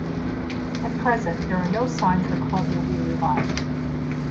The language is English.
At present there are no signs the club will be revived.